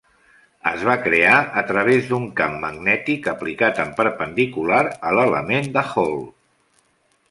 Es va crear a través d'un camp magnètic aplicat en perpendicular a l'element de Hall.